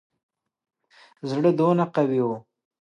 زړه دونه قوي وو.